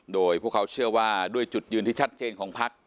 โดยพวกเขาเชื่อว่าด้วยจุดยืนที่ชัดเจนของพัก